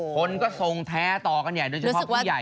คนก็ทรงแท้ต่อกันใหญ่โดยเฉพาะผู้ใหญ่